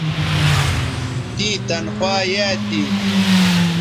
تیں تنخوا یایئ تھی